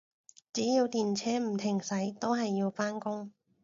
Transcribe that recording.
只要電車唔停駛，都係要返工